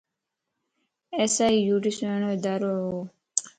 ايس. آئي. يو. ٽي سھڻو ادارو وَ.